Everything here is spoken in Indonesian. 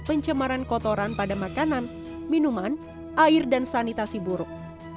pencemaran kotoran pada makanan minuman air dan sanitasi buruk